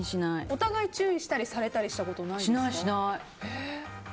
お互い注意したりされたりしたことないですか？